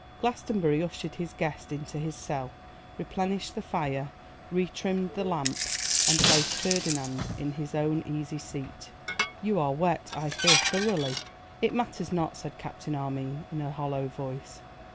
Glastonbury ushered his guest into his cell, replenished the fire, retrimmed the lamp, and placed Ferdinand in his own easy seat. 'You are wet; I fear thoroughly?' 'It matters not,' said Captain Armine, in a hollow voice.